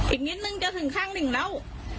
อีกนิดนึงจะถึงข้างหนึ่งแล้ว